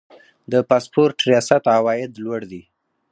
د پاسپورت ریاست عواید لوړ دي